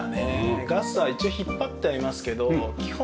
ガスは一応引っ張ってはいますけど基本